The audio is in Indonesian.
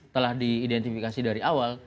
telah diidentifikasi dari awal